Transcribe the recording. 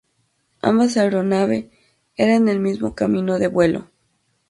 Ambas aeronave era en el mismo camino de vuelo.